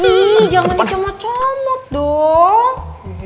nih jangan dicomot comot dong